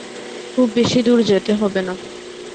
খুব বেশি দূর যেতে হবে না।